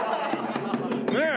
ねえ？